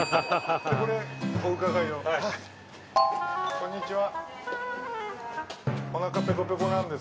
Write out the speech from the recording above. こんにちは。